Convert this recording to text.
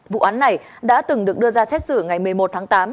vụ án này đã từng được đưa ra xét xử ngày một mươi một tháng tám